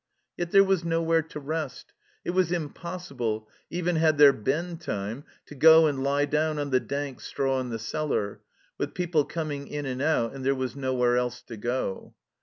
Yet there was nowhere to rest ; it was impos sible, even had there been time, to go and lie down on the dank straw in the cellar, with people coming in and out, and there was nowhere else to go.